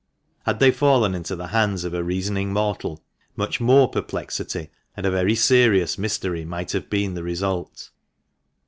Had they fallen into the hands of a reasoning mortal, much more perplexity, and a very serious mystery, might have been the result.